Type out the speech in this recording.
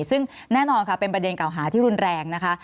ซึ่งแน่นอนค่ะเป็นประเด็นเก่าหาที่รุนแรงนะคะ